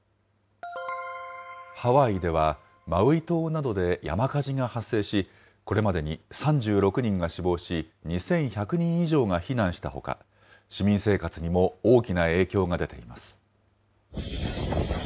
ハワイでは、マウイ島などで山火事が発生し、これまでに３６人が死亡し、２１００人以上が避難したほか、市民生活にも大きな影響が出ています。